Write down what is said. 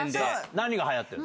何がはやってるの？